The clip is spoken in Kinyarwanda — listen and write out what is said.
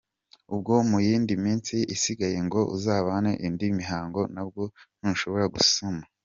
Ubwo mu yindi minsi isigaye ngo uzabone indi mihango na bwo ntushobora gusama.